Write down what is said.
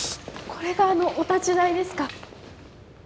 これがあのお立ち台ですか。